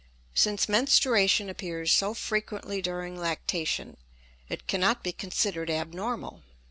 Since menstruation appears so frequently during lactation, it cannot be considered abnormal.